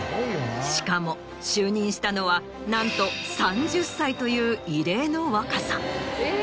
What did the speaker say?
しかも就任したのはなんと３０歳という異例の若さ。